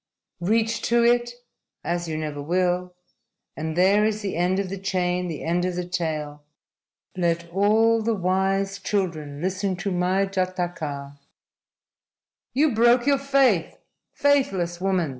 _ Reach to it as you never will and there is the end of the chain, the end of the tale. LET ALL THE WISE CHILDREN LISTEN TO MY JATAKA! "You broke your faith, faithless woman!"